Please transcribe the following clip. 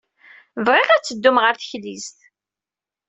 Bɣiɣ ad teddum ɣer teklizt.